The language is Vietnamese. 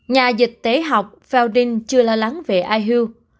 nhà dịch tế học felding chưa lo lắng về ihu